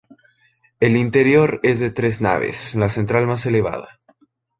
El interior es de tres naves, la central más elevada.